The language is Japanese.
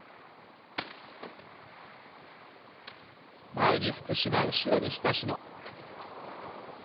前に福島、後ろに東野。